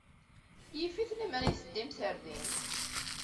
Yif-it lemmer d ay teddimt ɣer din.